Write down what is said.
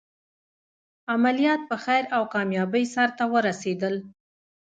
عملیات په خیر او کامیابۍ سرته ورسېدل.